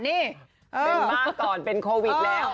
นี่เป็นบ้านก่อนเป็นโควิดแล้ว